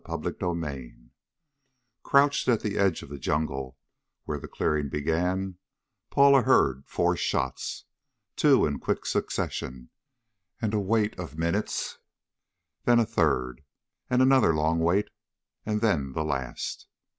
CHAPTER VIII Crouched at the edge of the jungle, where the clearing began, Paula heard four shots. Two in quick succession, and a wait of minutes. Then a third, and another long wait, and then the last.